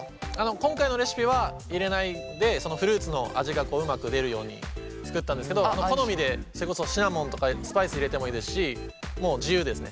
今回のレシピは入れないでフルーツの味がこううまく出るように作ったんですけど好みでそれこそシナモンとかスパイス入れてもいいですしもう自由ですね。